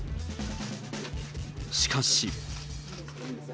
しかし。